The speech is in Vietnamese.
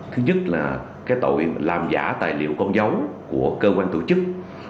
thứ nhất là cái tội làm giả tài liệu con giống của cơ quan tổ chức